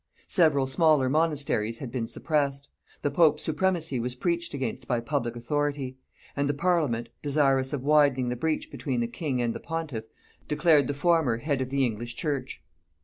Several smaller monasteries had been suppressed; the pope's supremacy was preached against by public authority; and the parliament, desirous of widening the breach between the king and the pontiff, declared the former, head of the English church.